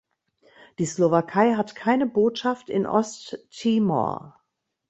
Die Slowakei hat keine Botschaft in Osttimor.